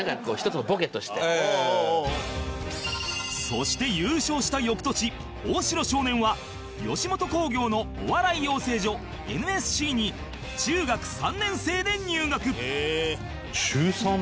そして優勝した翌年大城少年は吉本興業のお笑い養成所 ＮＳＣ に中学３年生で入学